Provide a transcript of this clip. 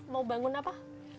mau bangun apa